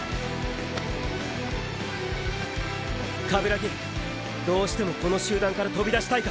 鏑木どうしてもこの集団からとびだしたいか。